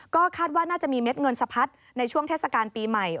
ก็คาดว่าน่าจะมีเม็ดเงินสะพัดในช่วงเทศกาลปีใหม่